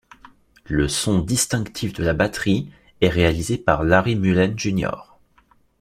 Le son distinctif de la batterie est réalisé par Larry Mullen Jr.